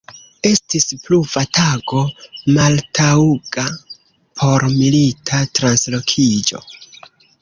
Estis pluva tago, maltaŭga por milita translokiĝo.